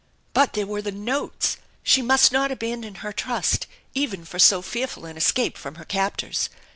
But there were the notes ! She must not abandon her trust even for so fearful an escape from her captors.